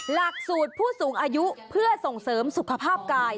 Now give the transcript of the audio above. หลักสูตรผู้สูงอายุเพื่อส่งเสริมสุขภาพกาย